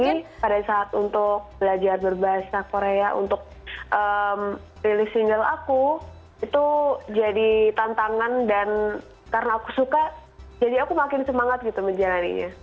jadi pada saat untuk belajar berbahasa korea untuk rilis single aku itu jadi tantangan dan karena aku suka jadi aku makin semangat gitu menjalannya